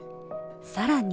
更に